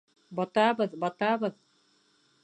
Батабыҙ, батабыҙ.